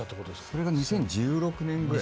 それが２０１６年ぐらいで。